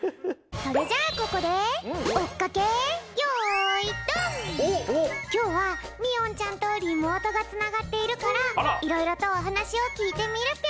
それじゃあここできょうはみおんちゃんとリモートがつながっているからいろいろとおはなしをきいてみるぴょん！